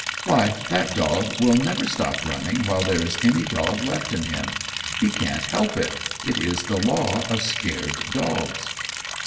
Why, that dog will never stop running while there is any dog left in him. He can't help it it is the law of scared dogs."